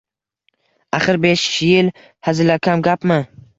Axir, besh yil hazilakam gapmi